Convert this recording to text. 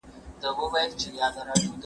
د خوب نشتوالی ستړیا زیاتوي.